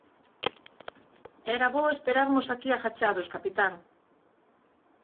–Era bo esperarmos aquí agachados, capitán.